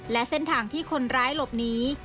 และเส้นทางที่คนร้ายหลบหนี